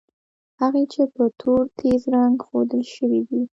هغه چې په تور تېز رنګ ښودل شوي دي.